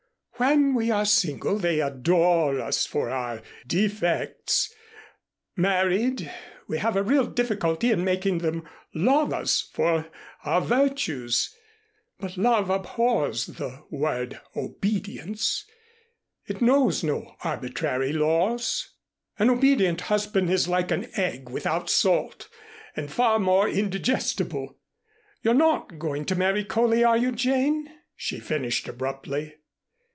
"When we are single they adore us for our defects; married, we have a real difficulty in making them love us for our virtues. But love abhors the word obedience. It knows no arbitrary laws. An obedient husband is like an egg without salt and far more indigestible. You're not going to marry Coley, are you, Jane?" she finished abruptly.